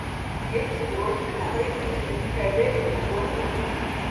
Esi drošs, ka tam ritenim ir tikai deviņi zobrati?